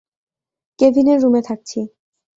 কেভিনের রুমে থাকছি।